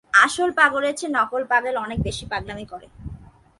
আসল পাগলের চেয়ে নকল পাগল অনেক বেশি পাগলামি করে।